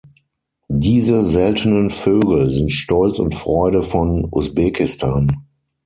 Diese seltenen Vögel sind Stolz und Freude von Usbekistan.